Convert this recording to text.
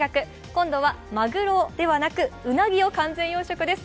今度はマグロではなく、うなぎを完全養殖です。